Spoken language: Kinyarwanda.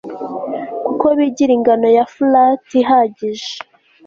kuko bigira ingano ya 'folate' ihagije